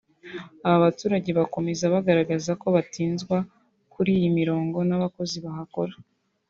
Aba baturage bakomeza bagaragaza ko batinzwa kuri iyi mirongo n’abakozi bahakora